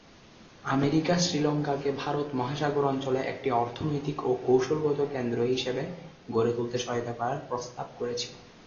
America শ্রীলঙ্কাকে ভারত মহাসাগর অঞ্চলে একটি অর্থনৈতিক ও কৌশলগত কেন্দ্র হিসাবে গড়ে তুলতে সহায়তা করার প্রস্তাব করেছিল।